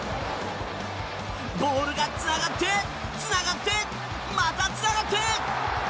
ボールがつながって、つながってまた、つながって！